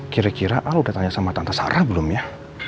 kira kira ah udah tanya sama tante sarah belum ya